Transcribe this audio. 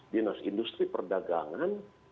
dinas industri perdagangan